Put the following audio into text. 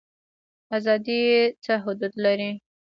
ازادي څه حدود لري؟